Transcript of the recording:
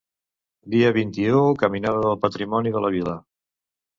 Dia vint-i-u: caminada pel patrimoni de la vila.